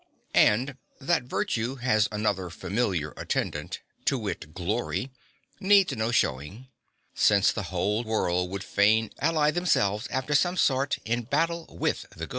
And that virtue has another familiar attendant to wit, glory needs no showing, since the whole world would fain ally themselves after some sort in battle with the good.